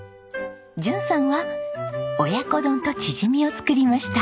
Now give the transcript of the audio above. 淳さんは親子丼とチヂミを作りました。